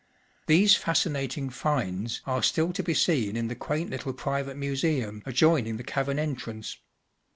These fascinating “finds" are still to be seen in the quaint little private museum adjoining the cavern entrance.